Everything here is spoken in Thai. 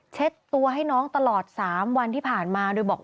ตัวให้น้องตลอด๓วันที่ผ่านมาโดยบอก